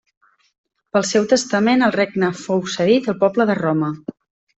Pel seu testament el regne fou cedit al poble de Roma.